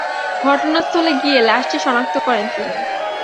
ঘটনাস্থলে গিয়ে লাশটি শনাক্ত করেন তিনি।